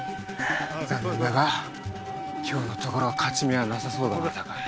残念だが今日のところは勝ち目はなさそうだなタカ。